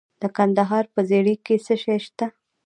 د کندهار په ژیړۍ کې څه شی شته؟